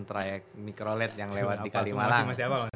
traik mikroled yang lewat di kalimalang